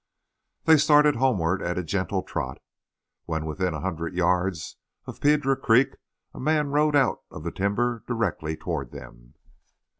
They started homeward at a gentle trot. When within a hundred yards of Piedra Creek a man rode out of the timber directly toward them.